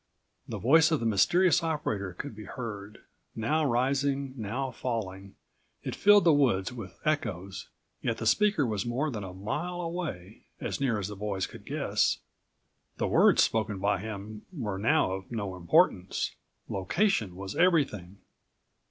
The voice of the mysterious operator could be heard. Now rising, now falling, it filled the woods with echoes, yet the speaker was more than60 a mile away, as near as the boys could guess. The words spoken by him were now of no importance. Location was everything.